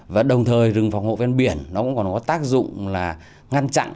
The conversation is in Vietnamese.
và đồng thời rừng phòng hộ ven biển nó cũng còn có tác dụng là ngăn chặn